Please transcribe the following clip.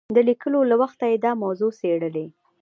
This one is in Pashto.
د لیکلو له وخته یې دا موضوع څېړلې.